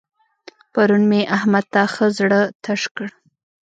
پرون مې احمد ته ښه زړه تش کړ.